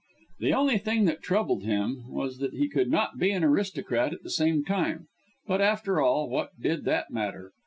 The only thing that troubled him, was that he could not be an aristocrat at the same time. But, after all, what did that matter?